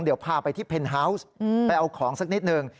เดี๋ยวพาไปที่เพนฮาวส์ไปเอาของสักนิดนึง